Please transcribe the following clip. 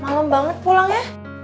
malem banget pulang ya